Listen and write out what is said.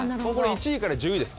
１位から１０位です